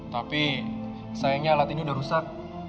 tapi sayangnya alat ini sudah rusak